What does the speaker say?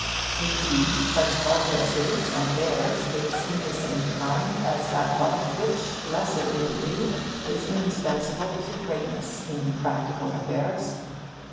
Indeed, such bulk as his and theirs is in the same kind as that bulk which, lesser in degree, is indispensable to greatness in practical affairs.